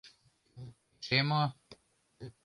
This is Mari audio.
Эше мо?